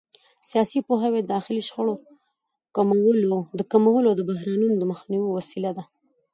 سیاسي پوهاوی د داخلي شخړو د کمولو او بحرانونو د مخنیوي وسیله ده